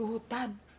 itu juga penjuru hutan